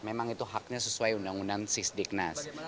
memang itu haknya sesuai undang undang sisdiknas